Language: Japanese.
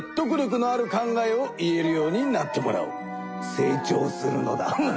せい長するのだ。